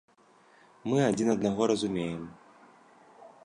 Мы адзін аднаго разумеем.